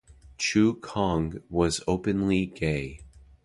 Choo Kong was openly gay.